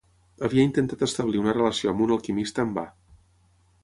Havia intentat establir una relació amb un alquimista en va.